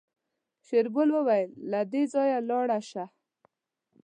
شېرګل وويل له دې ځايه لاړه شه.